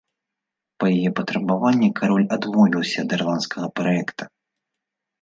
Па яе патрабаванні кароль адмовіўся ад ірландскага праекта.